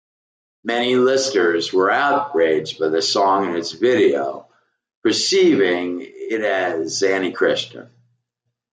Many listeners were outraged by the song and its video, perceiving it as anti-Christian.